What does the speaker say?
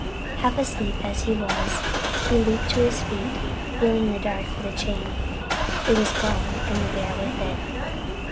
Half asleep as he was, he leaped to his feet, feeling in the dark for the chain. It was gone and the bear with it.